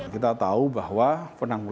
kita tahu bahwa penanganan covid sembilan belas ini